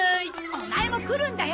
オマエも来るんだよ！